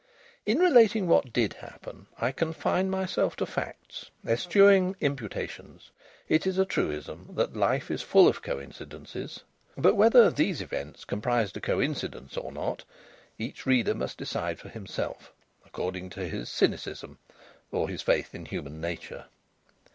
In relating what did happen, I confine myself to facts, eschewing imputations. It is a truism that life is full of coincidences, but whether these events comprised a coincidence, or not, each reader must decide for himself, according to his cynicism or his faith in human nature.